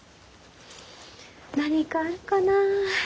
何かあるかな？